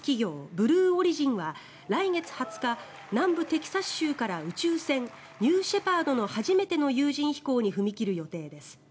ブルーオリジンは来月２０日、南部テキサス州から宇宙船ニューシェパードの初めての有人飛行に踏み切る予定です。